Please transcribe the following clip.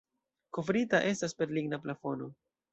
Kovrita estas per ligna plafono.